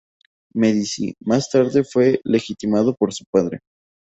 Medici, más tarde, fue legitimado por su padre.